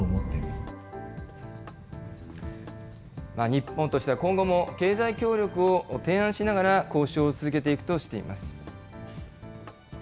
日本としては今後も経済協力を提案しながら、交渉を続けていくとしています。